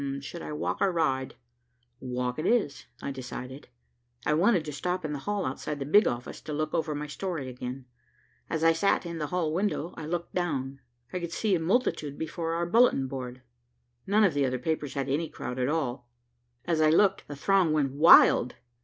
"Should I walk or ride? Walk it is," I decided. I wanted to stop in the hall outside the big office to look over my story again. As I sat in the hall window, I looked down. I could see a multitude before our bulletin board. None of the other papers had any crowd at all. As I looked, the throng went wild.